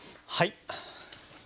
はい。